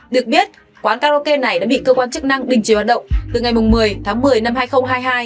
được biết quán karaoke này đã bị cơ quan chức năng đình chỉ hoạt động từ ngày một mươi tháng một mươi năm hai nghìn hai mươi hai